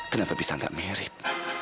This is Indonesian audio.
kenapa bisa gak mirip